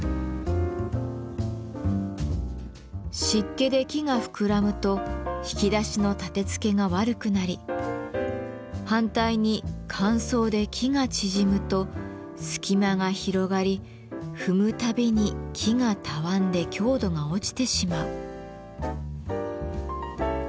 湿気で木が膨らむと引き出しの立てつけが悪くなり反対に乾燥で木が縮むと隙間が広がり踏む度に木がたわんで強度が落ちてしまう。